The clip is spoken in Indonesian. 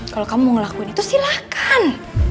kalau kamu mau ngelakuin itu silahkan